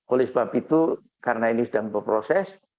oleh sebab itu karena ini sedang berproses